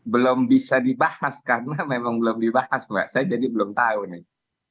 belum bisa dibahas karena memang belum dibahas mbak saya jadi belum tahu nih